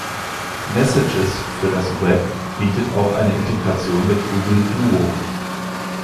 Messages für das Web bietet auch eine Integration mit Google Duo.